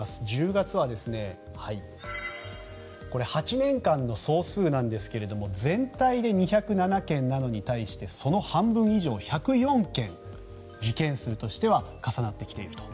１０月はこれ８年間の総数なんですが全体で２０７件なのに対してその半分以上１０４件事件数としては重なってきていると。